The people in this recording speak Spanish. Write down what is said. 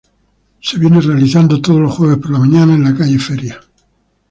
Se viene realizando todos los jueves por la mañana en la calle Feria.